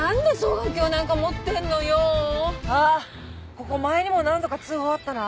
ここ前にも何度か通報あったな。